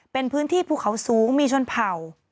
เป็นพื้นที่ภูเขาสูงมีชนเผ่า